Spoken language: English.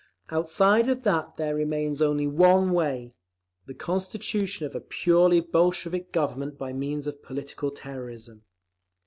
Outside of that, there remains only one way: the constitution of a purely Bolshevik Government by means of political terrorism.